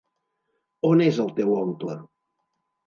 On és el teu oncle?